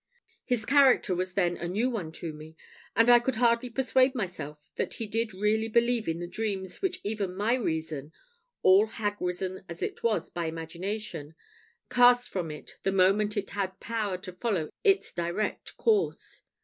His character was then a new one to me, and I could hardly persuade myself that he did really believe in the dreams which even my reason, all hag ridden as it was by imagination, cast from it the moment it had power to follow its direct course.